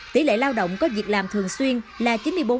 tỷ lệ lao động có việc làm thường xuyên là chín mươi bốn chín mươi chín